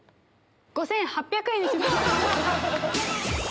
５８００円にします。